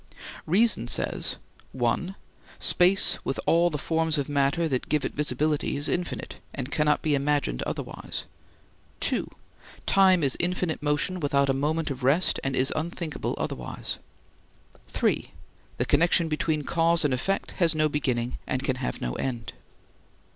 Reason says: (1) space with all the forms of matter that give it visibility is infinite, and cannot be imagined otherwise. (2) Time is infinite motion without a moment of rest and is unthinkable otherwise. (3) The connection between cause and effect has no beginning and can have no end.